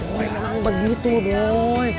woy memang begitu doi